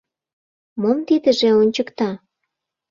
— Мом тидыже ончыкта?